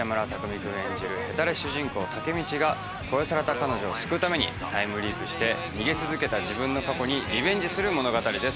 君演じるヘタレ主人公・武道が殺された彼女を救うためにタイムリープして、逃げ続けた過去にリベンジする物語です。